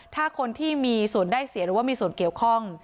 ถ้าคนที่มีส่วนได้เสียหรือว่ามีส่วนเกี่ยวข้อง